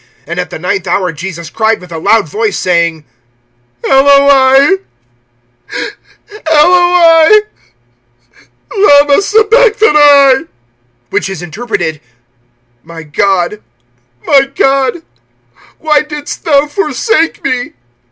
(34)And at the ninth hour Jesus cried with a loud voice, saying: Eloi, Eloi, lama sabachthani? Which is interpreted: My God, my God, why didst thou forsake me?